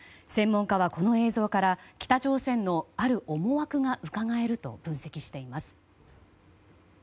専門家はこの映像から北朝鮮のある思惑がうかがえると分析しています。